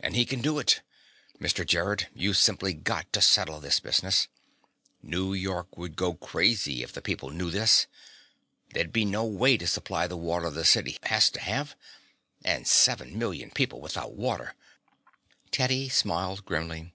And he can do it! Mr. Gerrod, you've simply got to settle this business. New York would go crazy if the people knew this. There'd be no way to supply the water the city has to have. And seven million people without water " Teddy smiled grimly.